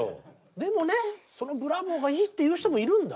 でもねそのブラボーがいいっていう人もいるんだ。